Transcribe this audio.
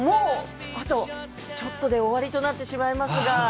あともう少しで終わりになってしまいます